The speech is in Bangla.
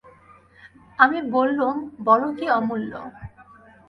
আমি বললুম, বল কী অমূল্য!